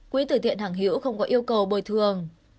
quỹ tử thiện hàng hữu không có yêu cầu bồi thường